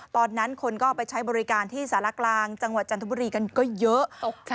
ตอนนั้นคนก็ไปใช้บริการที่สารกลางจังหวัดจันทบุรีกันก็เยอะ